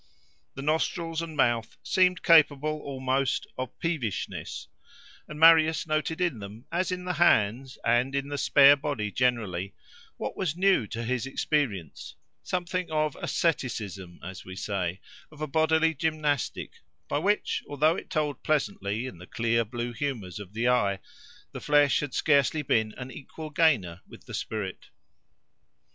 The nostrils and mouth seemed capable almost of peevishness; and Marius noted in them, as in the hands, and in the spare body generally, what was new to his experience—something of asceticism, as we say, of a bodily gymnastic, by which, although it told pleasantly in the clear blue humours of the eye, the flesh had scarcely been an equal gainer with the spirit.